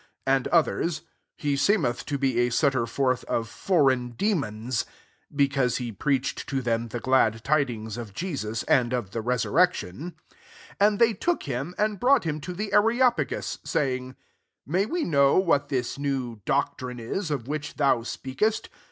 and others, *' He seemeth to be a setter forth of foreign de mons : [because he preached to them the glad tidings of Jesus, and of the resurrection]. 19 And they took him, and brought him to the Areopagus,* saying, « May we know what this new doctrine w, of which tbo\i speakest?